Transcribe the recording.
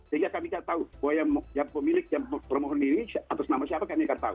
sehingga kami akan tahu bahwa yang pemilik yang permohon diri atas nama siapa kami akan tahu